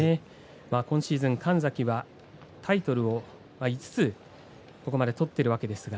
今シーズン神崎はタイトルを５つここまで取っています。